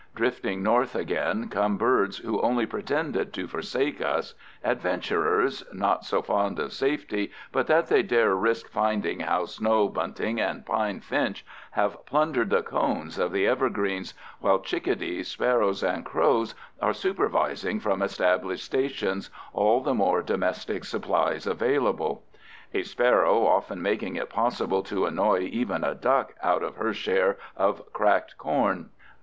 Drifting north again come birds who only pretended to forsake us—adventurers, not so fond of safety but that they dare risk finding how snow bunting and pine finch have plundered the cones of the evergreens, while chickadees, sparrows, and crows are supervising from established stations all the more domestic supplies available; a sparrow often making it possible to annoy even a duck out of her share of cracked corn.